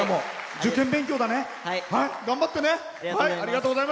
受験勉強、頑張ってね！